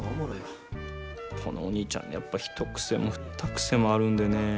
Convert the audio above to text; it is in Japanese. このお兄ちゃんねやっぱ一癖も二癖もあるんでね。